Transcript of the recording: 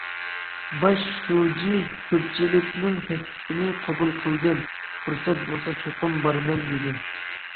باش شۇجى كۆپچىلىكنىڭ تەكلىپىنى قوبۇل قىلدىم، پۇرسەت بولسا چوقۇم بارىمەن، دېدى.